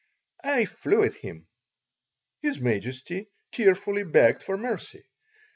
I flew at him. His Majesty tearfully begged for mercy.